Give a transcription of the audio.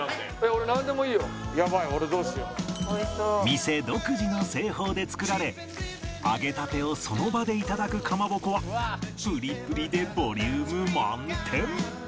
店独自の製法で作られ揚げたてをその場で頂くかまぼこはプリプリでボリューム満点